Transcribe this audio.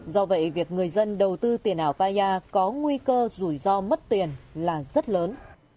do vậy việc người dân đầu tư tiền ảo paya có nguy cơ rủi ro mất tiền là rất lớn